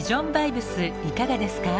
いかがですか？